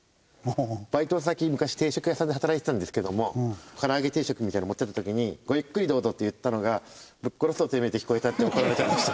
バイト先昔定食屋さんで働いてたんですけども唐揚げ定食みたいなのを持っていった時に「ごゆっくりどうぞ」って言ったのが「ぶっ殺すぞてめえ」って聞こえたって怒られちゃいました。